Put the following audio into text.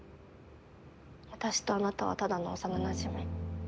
私とあなたはただの幼なじみ。